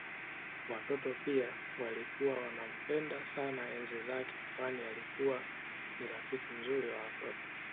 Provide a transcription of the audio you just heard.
Watoto pia walikuwa wanampenda sana enzi zake kwani alikuwa ni rafiki mzuri wa watoto